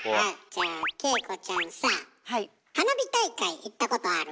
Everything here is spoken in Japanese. じゃあ景子ちゃんさあ花火大会行ったことある？